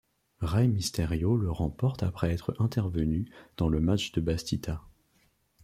Rey Mysterio le remporte après être intervenu dans le match de Batista.